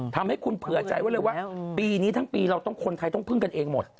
ทำให้คุณเผื่อใจไว้เลยว่าปีนี้ทั้งปีเราต้องคนไทยต้องพึ่งกันเองหมด